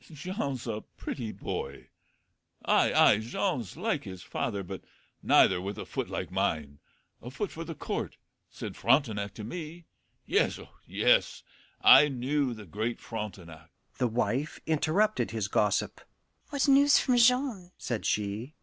"Jean's a pretty boy ay, ay, Jean's like his father, but neither with a foot like mine a foot for the Court, said Frotenac to me yes, yes, I knew the great Frotenac " The wife interrupted his gossip. "What news from Jean?" said she.